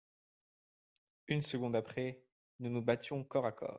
Une seconde après, nous nous battions corps à corps.